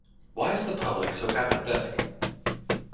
Why is the public so apathetic?